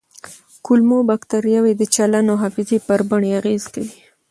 کولمو بکتریاوې د چلند او حافظې پر بڼې اغېز کوي.